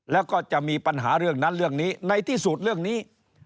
แล้วก็จะมีปัญหาเรื่องนั้นเรื่องนี้ในที่สุดเรื่องนี้